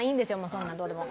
そんなのどうでも。